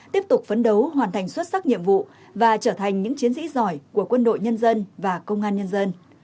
tiếp tục phấn đấu hoàn thành xuất sắc nhiệm vụ và trở thành những chiến sĩ giỏi của quân đội nhân dân và công an nhân dân